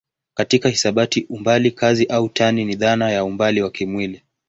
Katika hisabati umbali kazi au tani ni dhana ya umbali wa kimwili.